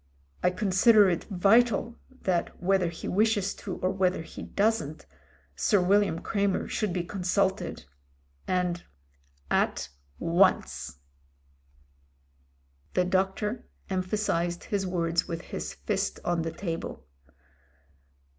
I consider it vital that whether he wishes to or whether he doesn't. Sir William Cremer should be consulted. And — at once!* The doctor emphasised his words with his fist on the table.